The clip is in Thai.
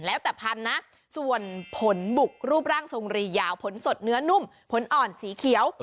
แล้วแต่พันธุ์นะส่วนผลบุกรูปร่างทรงรียาวผลสดเนื้อนุ่มผลอ่อนสีเขียว